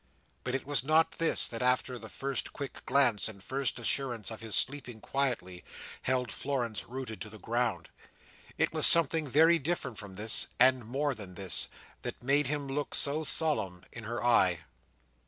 But it was not this, that after the first quick glance, and first assurance of his sleeping quietly, held Florence rooted to the ground. It was something very different from this, and more than this, that made him look so solemn in her eye.